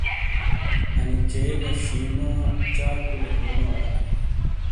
انی 'چ' گہ 'ش' نو چار کلُے کونو اڑا؟